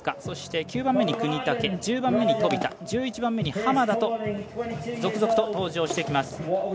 そして、９番目に國武１０番目に飛田１１番目に浜田と続々と登城してきます。